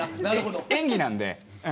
演技なので。